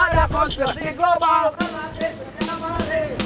berlatih setiap hari